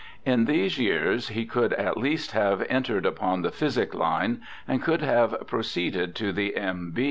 In these years he could at least have 'entered upon the physic line ' and could have proceeded to the M.